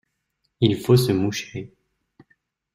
Il faut se moucher…